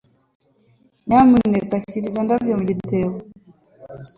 Nyamuneka shyira izo ndabyo mu gitebo.